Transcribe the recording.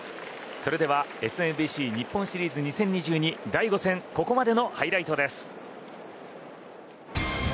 それではＳＭＢＣ日本シリーズ２０２２第５戦ここまでのハイライトです。